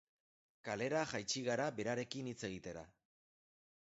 Kalera jaitsi gara berarekin hitz egitera.